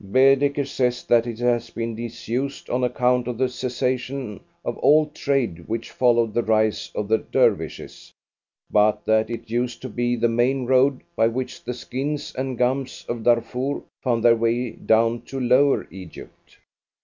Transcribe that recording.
Baedeker says that it has been disused on account of the cessation of all trade which followed the rise of the Dervishes, but that it used to be the main road by which the skins and gums of Darfur found their way down to Lower Egypt."